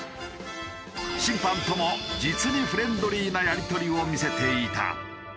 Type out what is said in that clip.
審判とも実にフレンドリーなやり取りを見せていた。